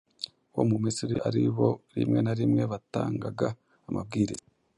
bo mu Misiri ari bo rimwe na rimwe batangaga amabwiriza